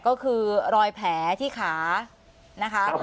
ก็คือรอยแผลที่ขานะคะ